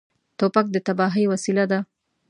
توپک د تباهۍ وسیله ده.